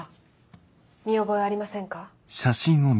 見覚えありませんか？